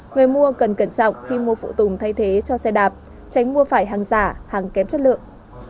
người mua cần cẩn trọng khi mua phụ tùng thay thế cho xe đạp tránh mua phải hàng giả hàng kém chất lượng